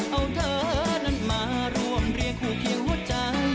เอาเธอนั้นมาร่วมเรียกคู่คิวหัวใจ